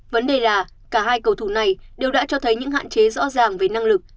vấn đề là cả hai cầu thủ này đều đã cho thấy những hạn chế rõ ràng về năng lực